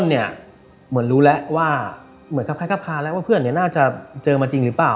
อ้นเนี่ยเหมือนรู้แล้วว่าเหมือนครับคล้ายครับคล้าแล้วว่าเพื่อนเนี่ยน่าจะเจอมาจริงหรือเปล่า